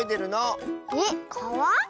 えっかわ？